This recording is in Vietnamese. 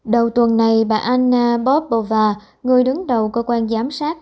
đầu tuần này bà anna bobova người đứng đầu cơ quan giám sát